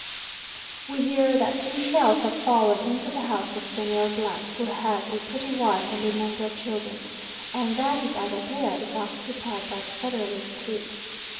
We hear that two shells have fallen into the house of Señor , who has a pretty wife and a number of children, and that his azotea is occupied by the federalist troops.